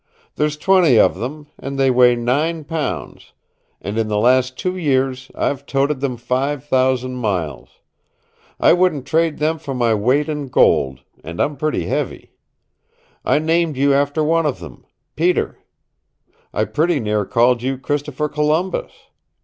There's twenty of them, and they weigh nine pounds, and in the last two years I've toted them five thousand miles. I wouldn't trade them for my weight in gold, and I'm pretty heavy. I named you after one of them Peter. I pretty near called you Christopher Columbus.